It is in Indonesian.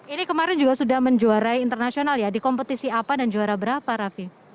ini kemarin juga sudah menjuarai internasional ya di kompetisi apa dan juara berapa raffi